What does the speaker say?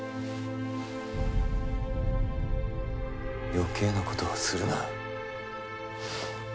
余計なことはするな。